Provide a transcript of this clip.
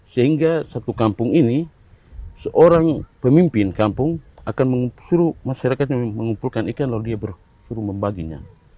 sehingga satu kampung ini seorang pemimpin kampung akan suruh masyarakatnya mengumpulkan ikan lalu dia suruh membaginya